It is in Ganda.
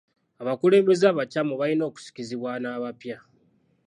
Abakulembeze abakyamu balina okusikizibwa n'abapya.